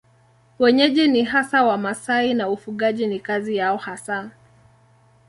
Wenyeji ni hasa Wamasai na ufugaji ni kazi yao hasa.